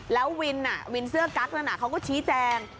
แล้ววินวินเสื้อกั๊กนั้นเขาก็ชี้แจง